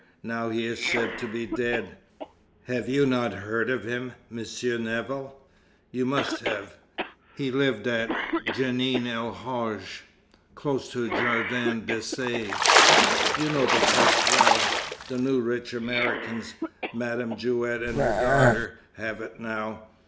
Now he is said to be dead. Have you not heard of him, Monsieur Nevill? You must have. He lived at Djenan el Hadj; close to the Jardin d'Essai. You know the place well. The new rich Americans, Madame Jewett and her daughter, have it now.